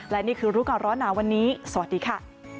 และนี่คือรู้ก่อนร้อนหนาวันนี้สวัสดีค่ะ